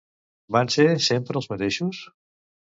Van ser sempre els mateixos?